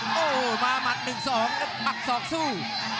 โอ้โหมาหมัด๑๒ปัก๒สู้